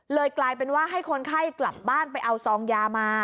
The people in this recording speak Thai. กลายเป็นว่าให้คนไข้กลับบ้านไปเอาซองยามา